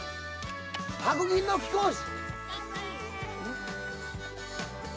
白銀の貴公子」